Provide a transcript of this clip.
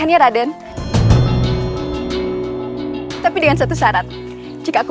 aku akan tunggu kalian di katu manggungan bagawangka